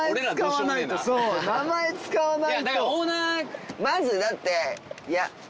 名前使わないと！